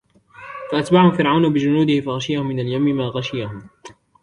فأتبعهم فرعون بجنوده فغشيهم من اليم ما غشيهم